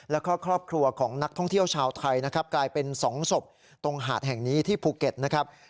แล้วก็ครอบครัวของนักท่องเที่ยวชาวไทยนะครับกลายเป็น๒ศพตรงหาดแห่งนี้ที่ภูเก็ตนะครับ